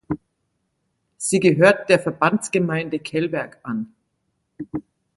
Sie gehört der Verbandsgemeinde Kelberg an.